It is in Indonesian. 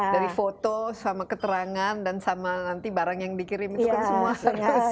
dari foto sama keterangan dan sama nanti barang yang dikirim itu kan semua